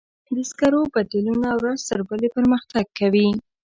د سکرو بدیلونه ورځ تر بلې پرمختګ کوي.